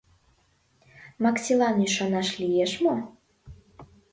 — Максилан ӱшанаш лиеш мо?